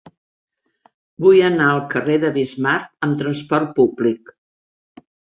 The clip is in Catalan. Vull anar al carrer de Bismarck amb trasport públic.